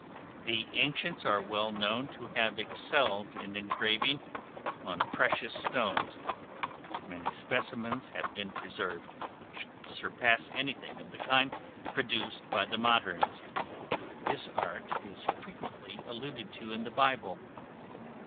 The ancients are well known to have excelled in engraving on precious stones; many specimens have been preserved, which surpass anything of the kind produced by the moderns. This art is frequently alluded to in the Bible.